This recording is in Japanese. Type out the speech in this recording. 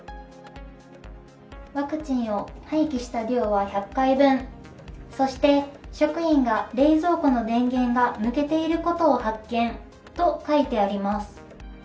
ワクチンを廃棄した量は１００回分、職員が冷蔵庫の電源が抜けていることを発見と書いてあります。